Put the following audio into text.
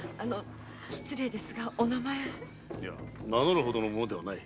いや名乗るほどの者ではない。